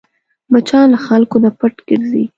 مچان له خلکو نه پټ ګرځي